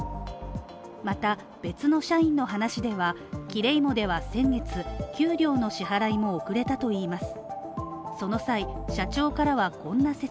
また、別の社員の話では、キレイモでは先日、給料の支払いも遅れたといいます。